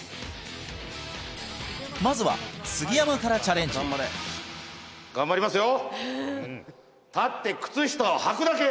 まずは杉山からチャレンジ頑張りますよさあ